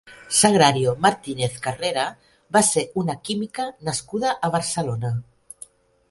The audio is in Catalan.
Sagrario Martínez Carrera va ser una química nascuda a Barcelona.